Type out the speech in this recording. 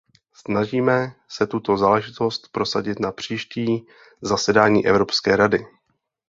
Snažíme se tuto záležitost prosadit na příští zasedání Evropské rady.